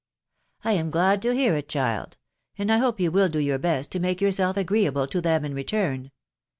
" I am glad to hear it, child, .... and I hope you will do your best to make yourself agreeable to them in return.